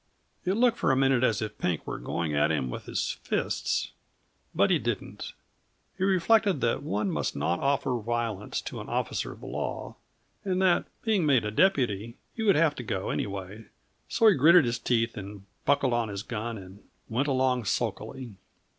It looked for a minute as if Pink were going at him with his fists but he didn't. He reflected that one must not offer violence to an officer of the law, and that, being made a deputy, he would have to go, anyway; so he gritted his teeth and buckled on his gun, and went along sulkily.